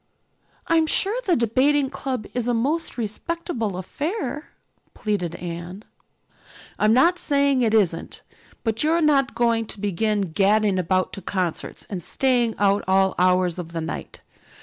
"I'm sure the Debating Club is a most respectable affair," pleaded Anne. "I'm not saying it isn't. But you're not going to begin gadding about to concerts and staying out all hours of the night.